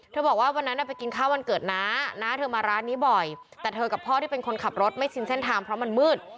บอกว่าวันนั้นไปกินข้าววันเกิดน้าน้าเธอมาร้านนี้บ่อยแต่เธอกับพ่อที่เป็นคนขับรถไม่ชินเส้นทางเพราะมันมืด